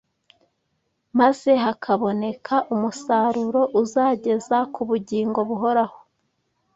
maze hakaboneka umusaruro uzageza ku bugingo buhoraho